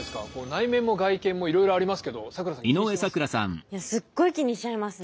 内面も外見もいろいろありますけど咲楽さん気にしてます？